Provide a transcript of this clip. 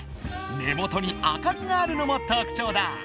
根元に赤みがあるのも特ちょうだ。